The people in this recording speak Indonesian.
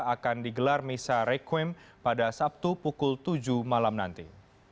akan digelar misa requim pada sabtu pukul tujuh malam nanti